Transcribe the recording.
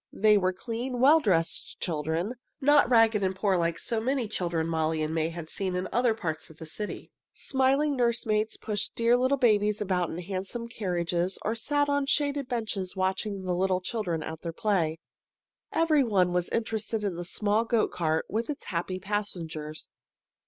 They were clean, well dressed children, not ragged and poor like so many children Molly and May had seen in other parts of the city. [Illustration: Suddenly a little boy began to race with the goats] Smiling nurse maids pushed dear little babies about in handsome carriages, or sat on shaded benches watching the little children at their play. Everyone was interested in the small goat cart with its happy passengers.